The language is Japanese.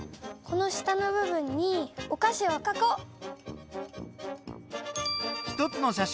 この下の部分にお菓子をかこう！